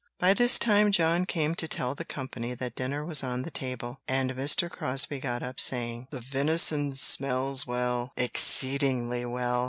By this time John came to tell the company that dinner was on the table; and Mr. Crosbie got up, saying: "The venison smells well exceedingly well."